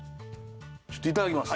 ちょっといただきます。